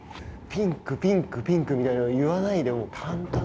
ピンク、ピンク、ピンクみたいなの言わないで、淡々と。